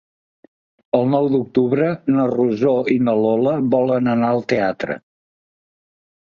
El nou d'octubre na Rosó i na Lola volen anar al teatre.